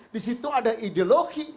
disitu ada ideologi